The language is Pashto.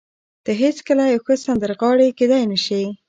ته هېڅکله یوه ښه سندرغاړې کېدای نشې